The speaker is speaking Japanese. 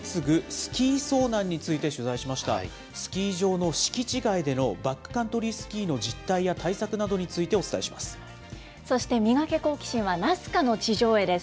スキー場の敷地外でのバックカントリースキーの実態や対策などにそして、ミガケ、好奇心！は、ナスカの地上絵です。